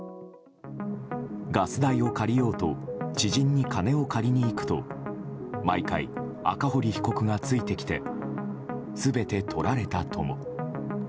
ガス代を借りようと知人に金を借りに行くと毎回、赤堀被告がついてきて全て取られたとも。